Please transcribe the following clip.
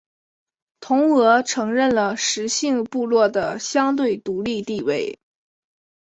同俄承认了十姓部落的相对独立地位。